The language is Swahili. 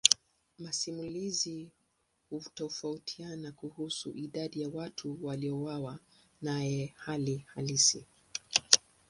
Masimulizi hutofautiana kuhusu idadi ya watu waliouawa naye hali halisi.